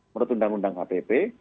menurut undang undang kpp